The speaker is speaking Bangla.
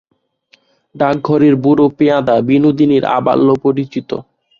ডাকঘরের বুড়ো পেয়াদা বিনোদিনীর আবাল্যপরিচিত।